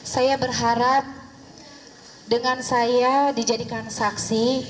saya berharap dengan saya dijadikan saksi